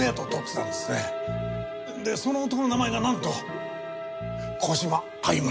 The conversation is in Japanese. でその男の名前がなんと小島歩なんです。